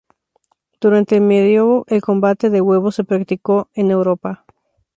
Durante el medioevo, el combate de huevos se practicó en Europa.